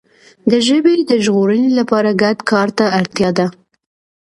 د ژبي د ژغورنې لپاره ګډ کار ته اړتیا ده.